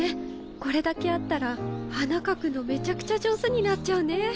これだけあったら花描くのめちゃくちゃ上手になっちゃうね。